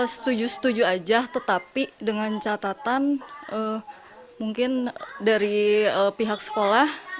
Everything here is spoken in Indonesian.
setuju setuju aja tetapi dengan catatan mungkin dari pihak sekolah